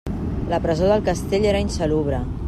La presó del castell era insalubre.